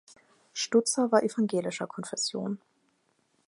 Stutzer war evangelischer Konfession.